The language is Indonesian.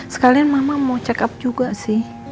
sekalian mama mau check up juga sih